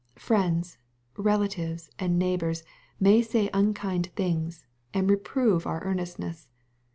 Friends, relatives, and neighbors may say unkind things, and reprove our earnestness.